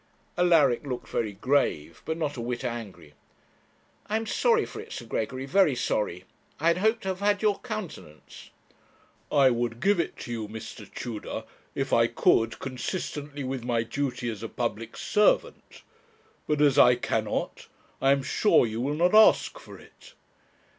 Alaric looked very grave, but not a whit angry. 'I am sorry for it, Sir Gregory, very sorry; I had hoped to have had your countenance.' 'I would give it you, Mr. Tudor, if I could consistently with my duty as a public servant; but as I cannot, I am sure you will not ask for it.'